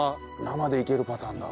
生でいけるパターンだ。